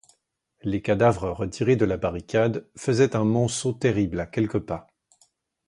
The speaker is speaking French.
Les cadavres retirés de la barricade faisaient un monceau terrible à quelques pas.